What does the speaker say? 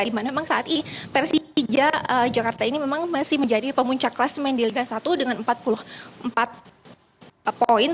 dimana memang saat ini persija jakarta ini memang masih menjadi pemuncak kelas main di liga satu dengan empat puluh empat poin